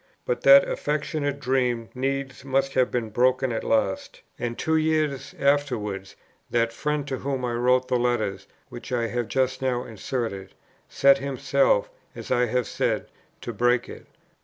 But that affectionate dream needs must have been broken at last; and two years afterwards, that friend to whom I wrote the letters which I have just now inserted, set himself, as I have said, to break it.